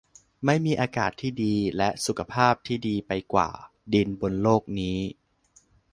ไม่มีอากาศที่ดีและสุขภาพที่ดีไปกว่าดินบนโลกนี้